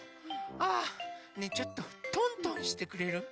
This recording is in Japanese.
あねえちょっとトントンしてくれる？